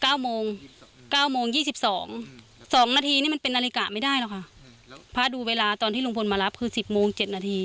เก้าโมงเก้าโมงยี่สิบสองสองนาทีนี่มันเป็นนาฬิกาไม่ได้หรอกค่ะพระดูเวลาตอนที่ลุงพลมารับคือสิบโมงเจ็ดนาที